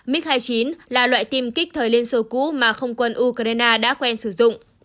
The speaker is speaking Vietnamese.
mig hai mươi chín là loại tìm kích thời liên xô cũ mà không quân ukraine đã quen sử dụng